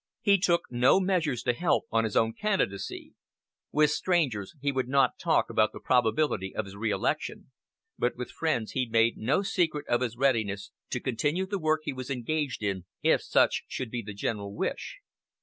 He took no measures to help on his own candidacy. With strangers he would not talk about the probability of his reelection; but with friends he made no secret of his readiness to continue the work he was engaged in if such should be the general wish.